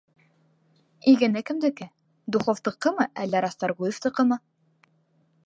Игене кемдеке, — Духловтыҡымы әллә Расторгуевтыҡымы?